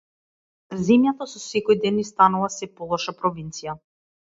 Земјата со секој ден ни станува сѐ полоша провинција.